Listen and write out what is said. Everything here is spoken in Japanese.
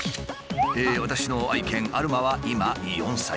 私の愛犬アルマは今４歳。